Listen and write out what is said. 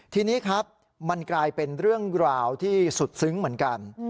ทีนี้ครับมันกลายเป็นเรื่องราวที่สุดซึ้งเหมือนกัน